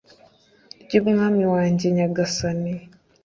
ry'umwami wanjye nyagasani